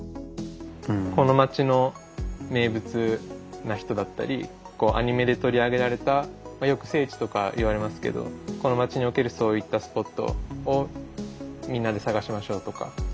この街の名物な人だったりアニメで取り上げられたよく「聖地」とか言われますけどこの街におけるそういったスポットをみんなで探しましょうとか。